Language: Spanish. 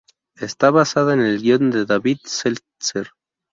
Está basada en el guion de David Seltzer.